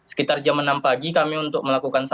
sekitar jam enam pagi kami untuk melakukan